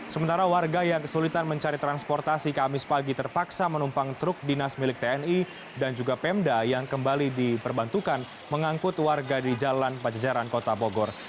sementara warga yang kesulitan mencari transportasi kamis pagi terpaksa menumpang truk dinas milik tni dan juga pemda yang kembali diperbantukan mengangkut warga di jalan pajajaran kota bogor